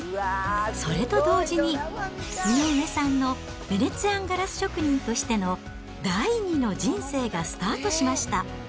それと同時に、井上さんのヴェネツィアンガラス職人としての第２の人生がスタートしました。